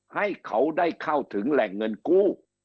ให้เขาได้เข้าถึงแหล่งเงินกู้